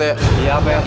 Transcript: iya pak rt